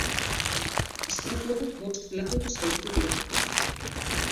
Istripuan bost lagun zauritu dira.